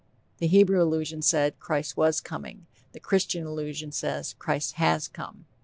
The Hebrew illusion said, Christ was coming; the Christian illusion says, Christ has come.